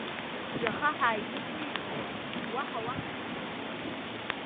Жәаха ҳааидыҵижьҭеи, уаҳа уахь сызҩықәымлеит.